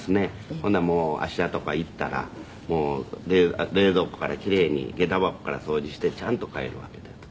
ほなもう芦屋とか行ったら冷蔵庫から奇麗に下駄箱から掃除してちゃんと帰るわけであると。